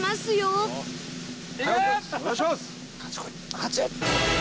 「８」！